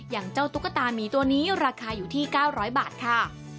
อย่างเจ้าตุ๊กตามีตัวนี้ราคาอยู่ที่๙๐๐บาทค่ะ